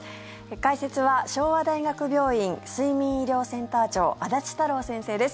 解説は昭和大学病院睡眠医療センター長安達太郎先生です。